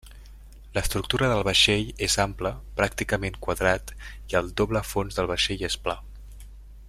L'estructura del vaixell és ample, pràcticament quadrat, i el doble fons del vaixell és pla.